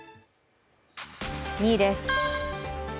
２位です。